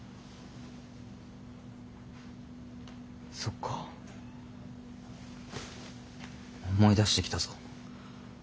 そっか思い出してきたぞ。